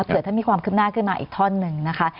เผื่อถ้ามีความคืบหน้าขึ้นมาอีกท่อนหนึ่งนะคะ